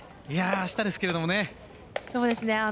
あしたですけれどもね。